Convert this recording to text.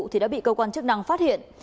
thì đã bị cơ quan chức năng phát hiện